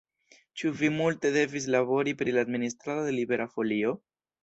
Ĉu vi multe devis labori pri la administrado de Libera Folio?